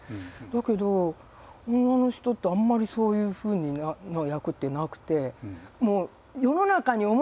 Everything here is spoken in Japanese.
だけど女の人ってあんまりそういうふうな役ってなくて。